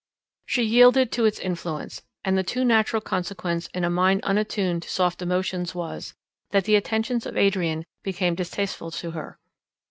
She yielded to its influence, and the too natural consequence in a mind unattuned to soft emotions was, that the attentions of Adrian became distasteful to her.